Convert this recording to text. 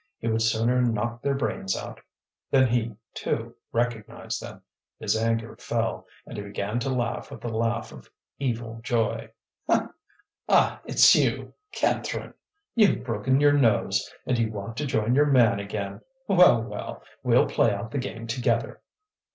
He would sooner knock their brains out. Then he, too, recognized them; his anger fell, and he began to laugh with a laugh of evil joy. "Ah! it's you, Catherine! you've broken your nose, and you want to join your man again. Well, well! we'll play out the game together."